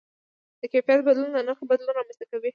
د کیفیت بدلون د نرخ بدلون رامنځته کوي.